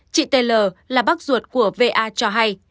chị taylor là bác ruột của va cho hay